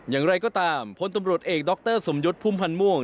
อย่างไรก็ตามพลตำรวจเอกดรสมยศพุ่มพันธ์ม่วง